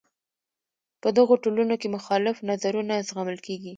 په دغو ټولنو کې مخالف نظرونه زغمل کیږي.